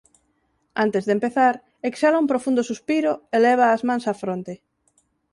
Antes de empezar, exhala un profundo suspiro e leva as mans á fronte.